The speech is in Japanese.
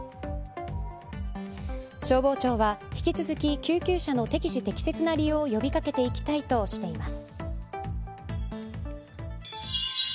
消防庁は引き続き救急車の適時適切な利用を呼び掛けていきたいとしています。